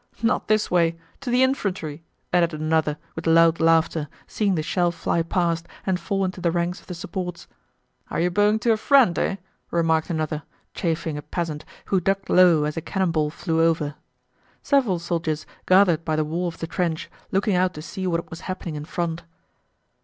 "Not this way! To the infantry!" added another with loud laughter, seeing the shell fly past and fall into the ranks of the supports. "Are you bowing to a friend, eh?" remarked another, chaffing a peasant who ducked low as a cannon ball flew over. Several soldiers gathered by the wall of the trench, looking out to see what was happening in front.